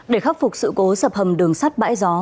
để khắc phục sự cố sập hầm đường sắt bãi gió